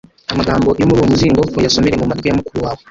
amagambo yo muri uwo muzingo uyasomere mu matwi ya mukuru wawe